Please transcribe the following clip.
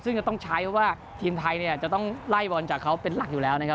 ซึ่งจะต้องใช้เพราะว่าทีมไทยเนี่ยจะต้องไล่บอลจากเขาเป็นหลักอยู่แล้วนะครับ